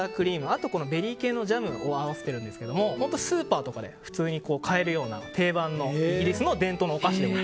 あと、ベリー系のジャムを合わせてるんですけどスーパーとかで普通に買えるような定番のイギリスの伝統のお菓子です。